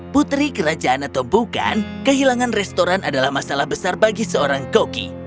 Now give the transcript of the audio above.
putri kerajaan atau bukan kehilangan restoran adalah masalah besar bagi seorang koki